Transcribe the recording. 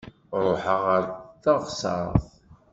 Ruḥaɣ ɣer teɣsert.